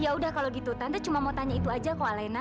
ya udah kalau gitu tanda cuma mau tanya itu aja ke alena